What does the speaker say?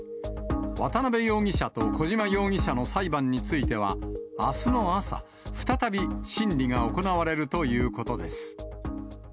渡辺容疑者と小島容疑者の裁判については、あすの朝、再び審理が行われるということです。